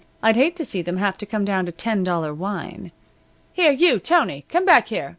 I'd hate to see them have to come down to ten dollar wine. Here you, Tony! Come back here!